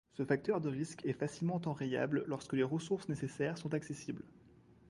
Ce facteur de risque est facilement enrayable lorsque les ressources nécessaires sont accessibles.